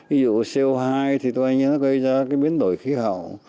ví dụ co hai thì tôi nghĩ nó gây ra cái biến đổi khí hậu